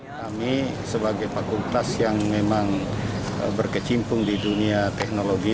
kami sebagai fakultas yang memang berkecimpung di dunia teknologi